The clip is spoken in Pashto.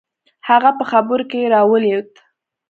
هغه په خبرو کښې راولويد.